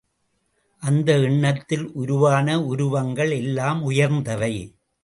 அந்த எண்ணத்தில் உருவான உருவங்கள் எல்லாம் உயர்ந்தவை.